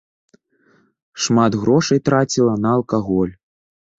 Шмат грошай траціла на алкаголь.